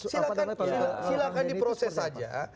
silahkan diproses saja